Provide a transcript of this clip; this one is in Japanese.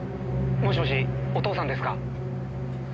「もしもしお義父さんですか？」